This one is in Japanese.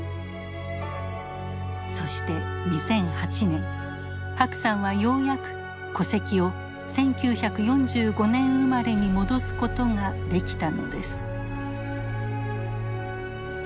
そして２００８年白さんはようやく戸籍を１９４５年生まれに戻すことができたのです。